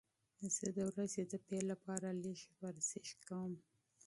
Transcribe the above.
زه د ورځې د پیل لپاره لږه ورزش کوم.